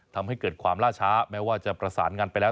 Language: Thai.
ทำให้เกิดความล่าช้าแม้ว่าจะประสานงานไปแล้ว